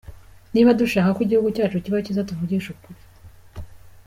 niba dushaka ko igihugu cyacu kibakiza muvugishe ukuri.